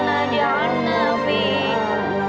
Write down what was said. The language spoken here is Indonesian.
udah cepetan cepetan